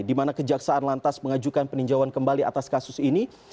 dimana kejaksaan lantas mengajukan peninjauan kembali atas kasus ini